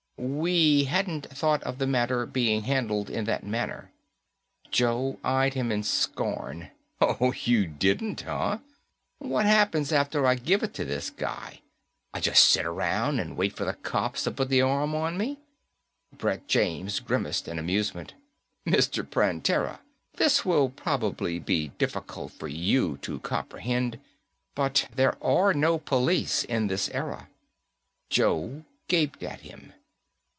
"We hadn't thought of the matter being handled in that manner." Joe eyed him in scorn. "Oh, you didn't, huh? What happens after I give it to this guy? I just sit around and wait for the cops to put the arm on me?" Brett James grimaced in amusement. "Mr. Prantera, this will probably be difficult for you to comprehend, but there are no police in this era." Joe gaped at him.